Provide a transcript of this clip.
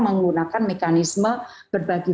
menggunakan mekanisme berbagi